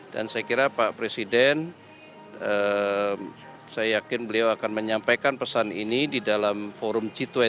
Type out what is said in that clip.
saya kira pak presiden saya yakin beliau akan menyampaikan pesan ini di dalam forum g dua puluh